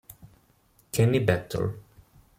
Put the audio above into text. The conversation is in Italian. Kenny Battle